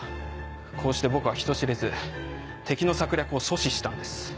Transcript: こうして僕は人知れず敵の策略を阻止したんです。